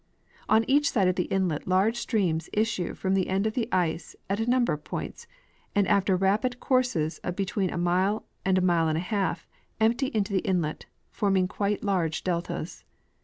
On each side of the inlet large streams issue from the end of the ice at a number of points, and after rapid courses of between a mile and a mile and a half empty into the inlet, forming quite large deltas.